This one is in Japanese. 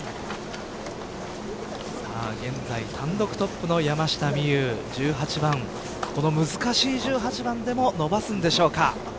現在単独トップの山下美夢有１８番この難しい１８番でも伸ばすんでしょうか。